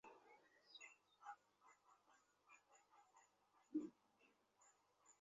পরে যখন আত্মজ্ঞাননিষ্ঠা লাভ হয়, তখন কোন অবলম্বনের আর দরকার থাকে না।